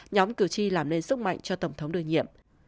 nhóm cử tri làm nên sức mạnh cho tổng thống đương nhiệm